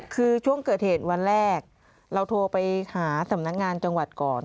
คือช่วงเกิดเหตุวันแรกเราโทรไปหาสำนักงานจังหวัดก่อน